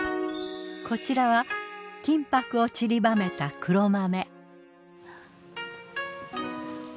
こちらは金箔をちりばめた黒豆。